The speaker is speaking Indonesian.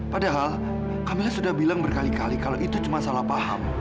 padahal kamil sudah bilang berkali kali kalau itu cuma salah paham